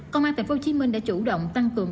công an tp hcm đã chủ động tăng cường